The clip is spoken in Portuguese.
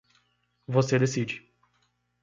Você decide.